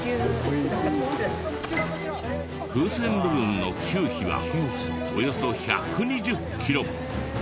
風船部分の球皮はおよそ１２０キロ。